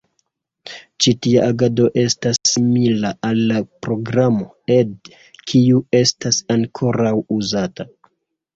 Ĉi tia agado estas simila al la programo ed, kiu estas ankoraŭ uzata.